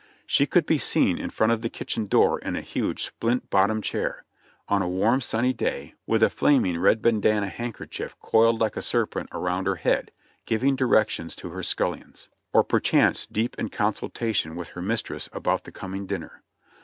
She could be seen in front of the kitchen door in a huge splint bottomed chair, on a warm, sunny day, with a flaming red bandana handkerchief coiled like a serpent around her head, giving directions to her scullions; or perchance deep in consulta tion with her mistress about the coming dinner.